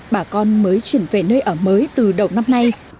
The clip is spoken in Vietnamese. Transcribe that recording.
bà con mới chuyển về nơi ở mới từ đầu năm nay